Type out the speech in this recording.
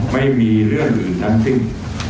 ไม่มีเรื่องอื่นทั้งสิ้น